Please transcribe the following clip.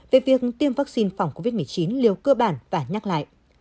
về việc tiêm vaccine phòng covid một mươi chín liều cơ bản và nhắc lại